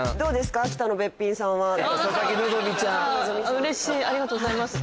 うれしいありがとうございます。